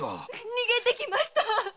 逃げてきました。